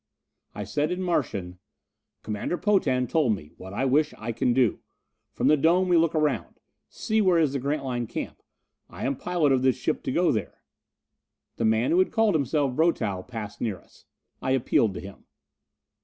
I said in Martian, "Commander Potan told me, what I wish I can do. From the dome we look around see where is the Grantline camp I am pilot of this ship to go there." The man who had called himself Brotow passed near us. I appealed to him.